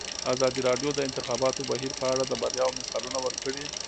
ازادي راډیو د د انتخاباتو بهیر په اړه د بریاوو مثالونه ورکړي.